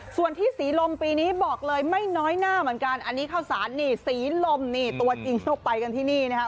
ส่วนที่ศรีลมปีนี้บอกเลยไม่น้อยหน้าเหมือนกันอันนี้ข้าวสารนี่ศรีลมนี่ตัวจริงลูกไปกันที่นี่นะครับ